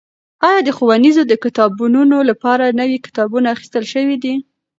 ایا د ښوونځیو د کتابتونونو لپاره نوي کتابونه اخیستل شوي دي؟